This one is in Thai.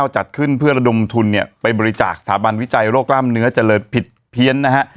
จัดขึ้นเพื่อระดมทุนเนี่ยไปบริจาคสถาบันวิจัยโรคกล้ามเนื้อเจริญผิดเพี้ยนนะฮะ